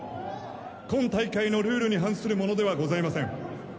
今大会のルールに反するものではございません。